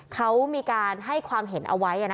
เขามีการให้ความเห็นเอาไว้